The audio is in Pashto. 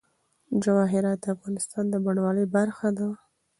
جواهرات د افغانستان د بڼوالۍ برخه ده.